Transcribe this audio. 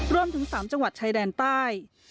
รวมถึง๓จังหวัดชายแดนใต้